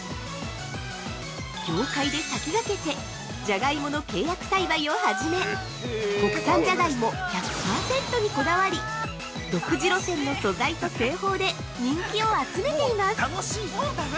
業界で先駆けて、じゃがいもの契約栽培を始め国産じゃがいも１００％にこだわり、独自路線の素材と製法で人気を集めています！